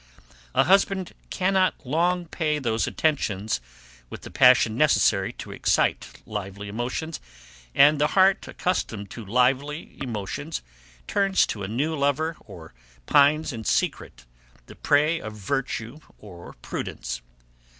A husband cannot long pay those attentions with the passion necessary to excite lively emotions, and the heart, accustomed to lively emotions, turns to a new lover, or pines in secret, the prey of virtue or prudence.